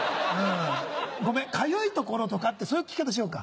ごめん「かゆい所」とかってそういう聞き方しようか。